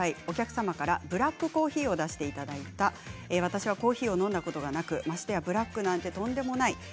お客様からブラックコーヒーを出していただいた私はコーヒーを飲んだことがなくましてやブラックなんてとんでもない。